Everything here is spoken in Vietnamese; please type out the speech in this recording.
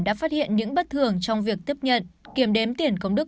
đã phát hiện những bất thường trong việc tiếp nhận kiểm đếm tiền công đức